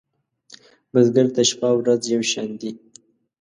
بزګر ته شپه ورځ یو شان دي